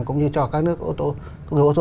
cũng như cho các nước ô tô